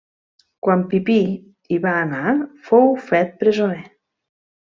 Quan Pipí hi va anar fou fet presoner.